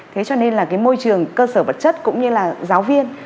thế cho nên là cái môi trường cơ sở vật chất cũng như là giáo viên